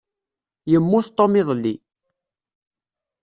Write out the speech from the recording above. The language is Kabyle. Yemmut Tom iḍelli.